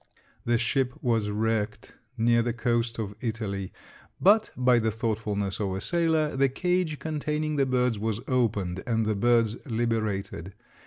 The ship was wrecked near the coast of Italy, but by the thoughtfulness of a sailor the cage containing the birds was opened and the birds liberated.